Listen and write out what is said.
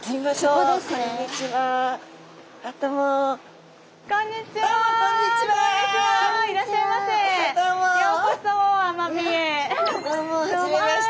どうも初めまして。